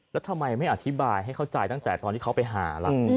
แล้วทำไมไม่อธิบายให้เข้าใจตั้งแต่ตอนที่เขาไปหาล่ะ